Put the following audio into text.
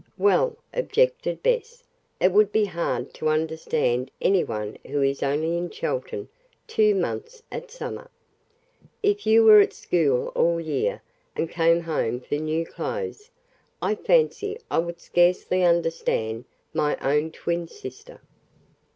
"Well," objected Bess, "it would be hard to understand any one who is only in Chelton two months at summer. If you were at school all year and came home for new clothes, I fancy I would scarcely understand my own twin sister."